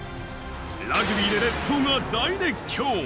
ラグビーで列島が大熱狂。